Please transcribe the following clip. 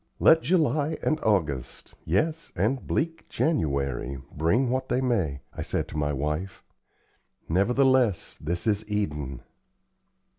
"Let July and August yes, and bleak January bring what they may," I said to my wife, "nevertheless, this is Eden."